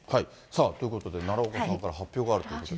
さあということで、奈良岡さんから発表があるということで。